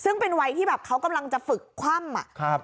ซึ่งเป็นวัยที่แบบเขากำลังจะฝึกคว่ำอะ